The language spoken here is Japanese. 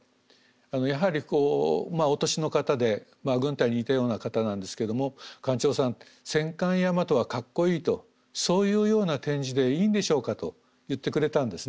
やはりこうお年の方で軍隊にいたような方なんですけども「館長さん戦艦大和はかっこいいとそういうような展示でいいんでしょうか」と言ってくれたんですね。